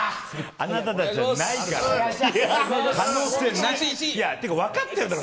あなたたちはないから。